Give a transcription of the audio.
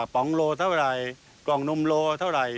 ป๋องโลเท่าไหร่กล่องนมโลเท่าไหร่